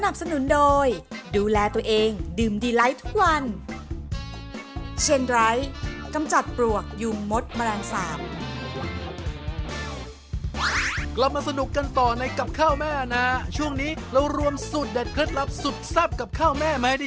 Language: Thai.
กลับมาสนุกกันต่อในกับข้าวแม่นะช่วงนี้เรารวมสูตรเด็ดเคล็ดลับสุดแซ่บกับข้าวแม่ไหมดี